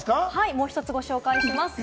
もう１つご紹介します。